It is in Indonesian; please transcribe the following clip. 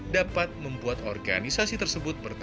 dapat membuat organisasi tersebut berpengalam